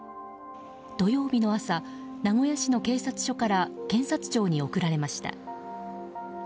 土曜日の朝名古屋市の警察署から検察庁に送られました。